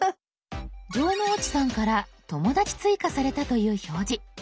城之内さんから友だち追加されたという表示。